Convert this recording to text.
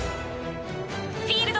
フィールド